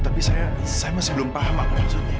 tapi saya masih belum paham apa maksudnya